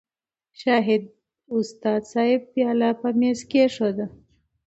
شاهد استاذ صېب پياله پۀ مېز کېښوده